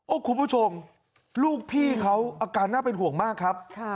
คุณผู้ชมลูกพี่เขาอาการน่าเป็นห่วงมากครับ